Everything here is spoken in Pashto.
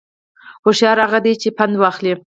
هوشیار هغه دی چې پند واخلي